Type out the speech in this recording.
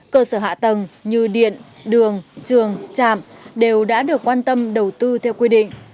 cơ sở hạ tầng như điện đường trường trạm đều đã được quan tâm đầu tư theo quy định